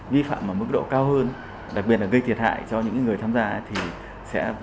vi phạm ở mức độ cao hơn đặc biệt là gây thiệt hại cho những người tham gia thì sẽ